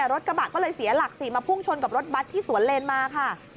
รถกระบะก็เลยเสียหลักสิมาพุ่งชนกับรถบัตรที่สวนเลนมาค่ะ